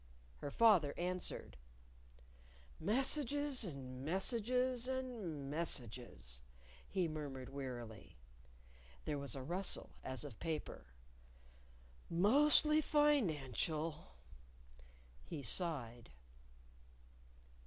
Her father answered. "Messages and messages and messages," he murmured wearily. (There was a rustle, as of paper.) "Mostly financial," He sighed.